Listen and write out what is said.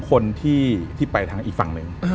คนที่ไปทางอีกฝั่งหนึ่ง